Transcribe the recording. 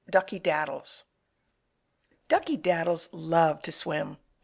DUCKEY DADDLES Duckey Daddles loved to swim.